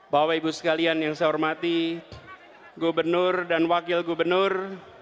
bapak ibu sekalian yang saya hormati gubernur dan wakil gubernur